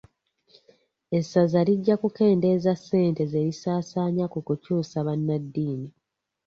Essaza lijja kukendeeza sente zerisaasaanya ku kyusa bannaddiini.